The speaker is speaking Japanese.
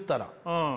うん。